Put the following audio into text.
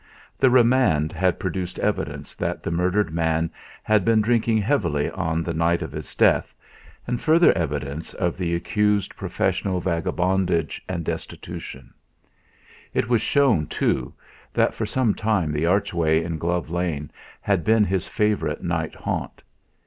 The remand had produced evidence that the murdered man had been drinking heavily on the night of his death, and further evidence of the accused's professional vagabondage and destitution; it was shown, too, that for some time the archway in Glove Lane had been his favourite night haunt.